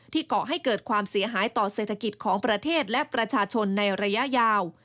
ก่อให้เกิดความเสียหายต่อเศรษฐกิจของประเทศและประชาชนในระยะยาว